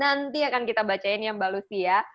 nanti akan kita bacain ya mbak lucy ya